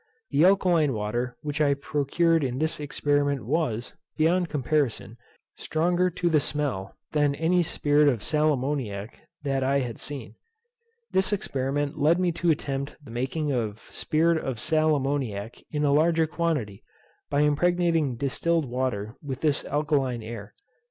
The alkaline water which I procured in this experiment was, beyond comparison, stronger to the smell, than any spirit of sal ammoniac that I had seen. This experiment led me to attempt the making of spirit of sal ammoniac in a larger quantity, by impregnating distilled water with this alkaline air.